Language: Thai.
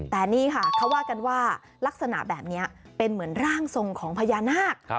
แต่นี่ค่ะเขาว่ากันว่าลักษณะแบบนี้เป็นเหมือนร่างทรงของพญานาค